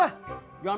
nih lupakan gue dong